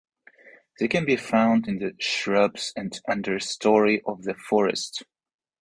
They can be found in the shrubs and understory of the forest.